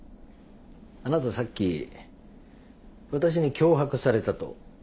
あなたさっき私に脅迫されたと。